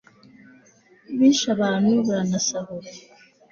Bishe abantu baranasahura